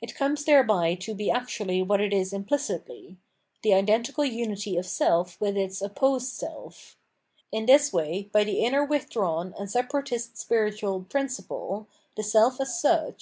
It comes thereby to be actually what it is imphcitly, — the identical unity of self with its opposed self. In this way, by the 612 PTienomenology of Mind innp.r withdrawii and separatist spiritual principle, tlie self as such.